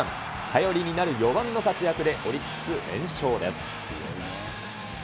頼りになる４番の活躍で、オリックス連勝です。